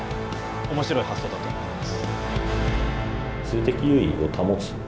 おもしろい発想だと思います。